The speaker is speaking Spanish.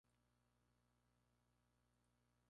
Se hacen hogueras en la playa.